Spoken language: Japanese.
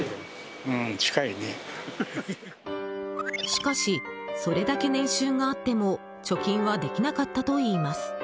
しかしそれだけ年収があっても貯金はできなかったといいます。